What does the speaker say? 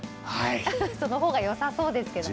そのほうが良さそうですけどね。